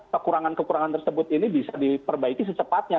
kekurangan kekurangan tersebut ini bisa diperbaiki secepatnya